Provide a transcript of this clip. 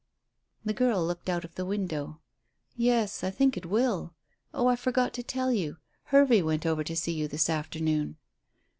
The girl looked out of the window. "Yes, I think it will. Oh, I forgot to tell you. Hervey went over to see you this afternoon."